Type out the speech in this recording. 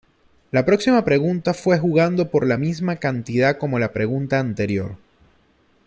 La próxima pregunta fue jugando por la misma cantidad como la pregunta anterior.